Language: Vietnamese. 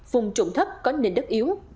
vùng trụng thấp có nền đất yếu